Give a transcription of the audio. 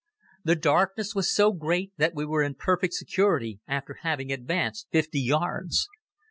The darkness was so great that we were in perfect security after having advanced fifty yards.